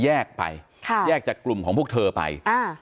แยกไปแยกจากกลุ่มของพวกเธอไป